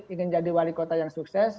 ingin jadi wali kota yang sukses